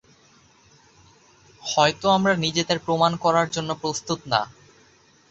হয়তো আমরা নিজেদের প্রমাণ করার জন্য প্রস্তুত না।